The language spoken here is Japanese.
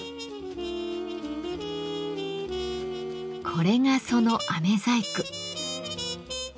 これがその飴細工。